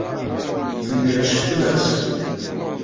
Tenger ccetla-s.